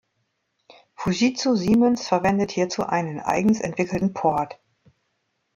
Fujitsu Siemens verwendet hierzu einen eigens entwickelten Port.